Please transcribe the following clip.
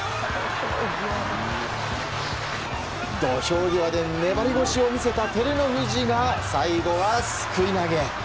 土俵際で粘り腰を見せた照ノ富士が最後はすくい投げ。